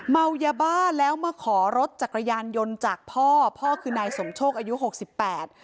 เมายาบ้าแล้วมาขอรถจักรยานยนต์จากพ่อพ่อคือนายสมโชคอายุหกสิบแปด